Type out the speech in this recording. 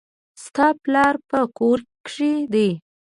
ستا پلار په کور کښي دئ.